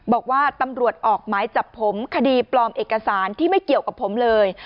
บอกว่าตำรวจออกหมายจับผมคดีปลอมเอกสารที่ไม่เกี่ยวกับผมเลย